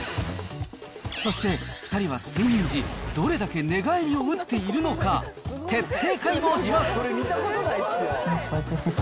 そして２人は睡眠時、どれだけ寝返りを打っているのか、徹底解剖します。